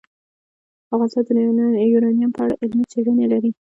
افغانستان د یورانیم په اړه علمي څېړنې لري.